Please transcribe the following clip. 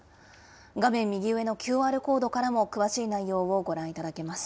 画面右上のＱＲコードからも詳しい内容をご覧いただけます。